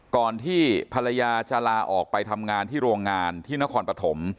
ก่อนที่ภรรยาจะลาออกไปทำงานที่โรงงานที่นครปฐม